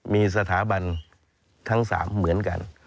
มีสถาบันทั้ง๓เหมือนกัน